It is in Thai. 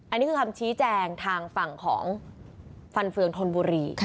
อันนี้คือคำชี้แจงทางฝั่งของฟันเฟืองธนบุรี